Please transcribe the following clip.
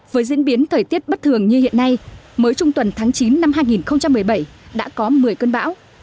với diễn biến thời tiết bất thường như hiện nay mới trung tuần tháng chín năm hai nghìn một mươi bảy đã có một mươi cơn bão